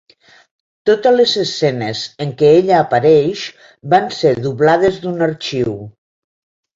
Totes les escenes en què ella apareix van ser doblades d'un arxiu.